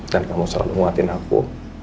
dan kamu selalu nguatin aku